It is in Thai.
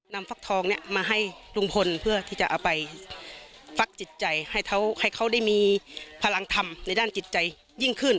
ฟักทองเนี่ยมาให้ลุงพลเพื่อที่จะเอาไปฟักจิตใจให้เขาได้มีพลังธรรมในด้านจิตใจยิ่งขึ้น